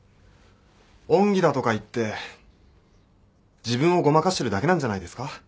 恩義だとか言って自分をごまかしてるだけなんじゃないですか？